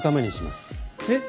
えっ？